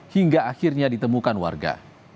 hingga akhirnya ditemukan warga